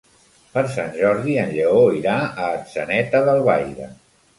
Per Sant Jordi en Lleó irà a Atzeneta d'Albaida.